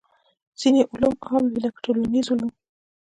ځینې علوم عام وي لکه ټولنیز علوم.